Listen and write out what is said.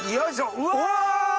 うわ！